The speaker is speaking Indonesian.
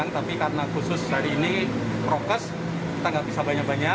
tapi karena khusus hari ini prokes kita nggak bisa banyak banyak